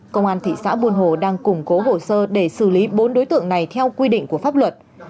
công an thị xã buôn hồ đang củng cố hồ sơ để xử lý bốn đối tượng này theo quy định của pháp luật